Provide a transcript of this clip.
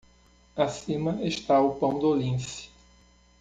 Acima está o pão do lince.